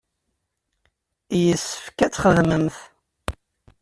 Yessefk ad txedmemt.